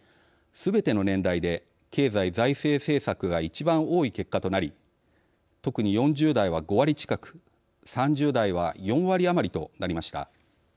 すべての年代で経済・財政政策が１番多い結果となり特に４０代は５割近く３０代は４割余りとなりました。